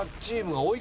はい。